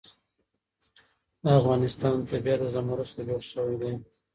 د افغانستان طبیعت له زمرد څخه جوړ شوی دی.